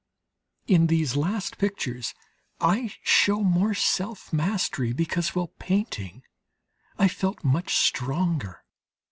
In these last pictures I show more self mastery, because while painting I felt much stronger.